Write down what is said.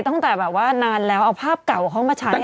ตั้งแต่แบบว่านานแล้วเอาภาพเก่ามาใช้ให้ดูสิ